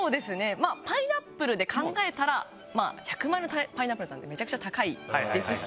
まあパイナップルで考えたら１００万円のパイナップルなんてめちゃくちゃ高いですし。